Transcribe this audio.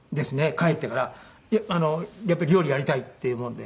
帰ってから「やっぱり料理やりたい」って言うもんで。